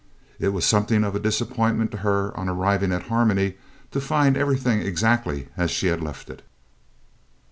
It was something of a disappointment to her, on arriving at Harmony, to find everything exactly as she had left it.